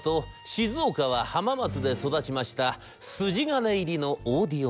静岡は浜松で育ちました筋金入りのオーディオマニア。